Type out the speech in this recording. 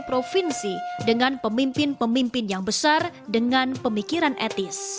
provinsi dengan pemimpin pemimpin yang besar dengan pemikiran etis